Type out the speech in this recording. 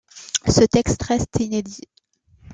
Ce texte reste inédit.